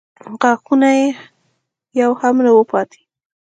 غاښونه یې يو هم نه و پاتې.